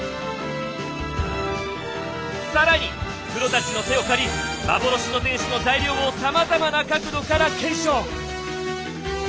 更にプロたちの手を借り幻の天守の材料をさまざまな角度から検証。